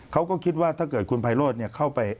เขาก็คิดว่าถ้าเกิดคุณไพโรธเข้าไป